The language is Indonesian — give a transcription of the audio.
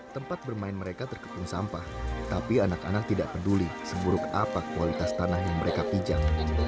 tempat bermain mereka terkepung sampah tapi anak anak tidak peduli seburuk apa kualitas tanah yang mereka pijam